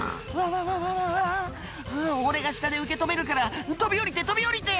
「わわわわ俺が下で受け止めるから飛び降りて飛び降りて！」